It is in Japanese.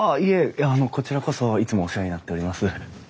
いやあのこちらこそいつもお世話になっております。